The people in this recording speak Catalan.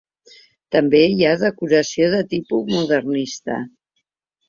També hi ha decoració de tipus modernista.